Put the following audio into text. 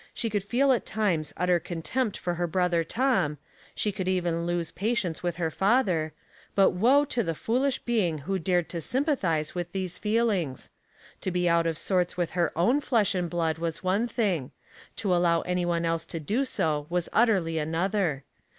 She could feel at times utter contempt for het brother Tom. She could even lose patience with her father ; but woe to the foolish being who dared to sympathize with these feelings ! To be out of sorts with her oivn flesh and blood was one thing, to allow any one else to do so was utterly another.